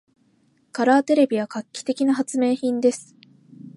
カラーテレビは画期的な発明品です。